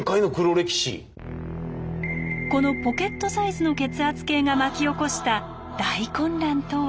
このポケットサイズの血圧計が巻き起こした大混乱とは。